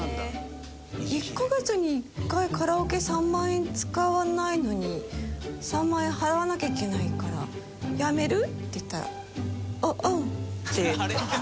１カ月に１回カラオケ３万円使わないのに３万円払わなきゃいけないから「やめる？」って言ったら「ううん」って。